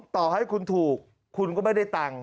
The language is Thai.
ต่อให้คุณถูกคุณก็ไม่ได้ตังค์